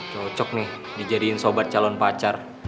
cocok nih dijadiin sobat calon pacar